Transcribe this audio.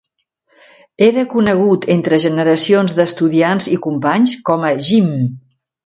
Era conegut entre generacions d'estudiants i companys com a "Gim".